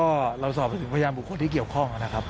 ก็เราสอบไปถึงพยานบุคคลที่เกี่ยวข้องนะครับ